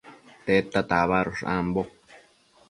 Tedta tabadosh ambo?